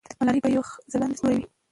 ملالۍ به یو ځلانده ستوری وي.